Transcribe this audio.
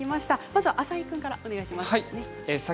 まずは浅井君からお願いします。